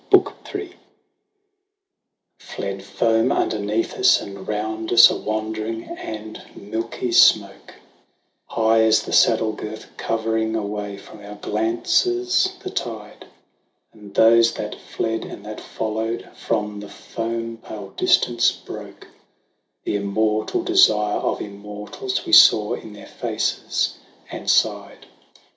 BOOK III Fled foam underneath us, and round us, a wandering and milky smoke, High as the saddle girth, covering away from our glances the tide ; And those that fled, and that followed, from the foam pale distance broke ; The immortal desire of immortals we saw in their faces, and sighed.